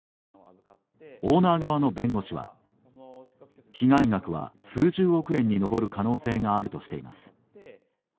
オーナー側の弁護士は被害額は数十億円に上る可能性があるとしています。